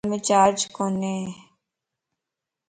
موبائلم چارج ڪوني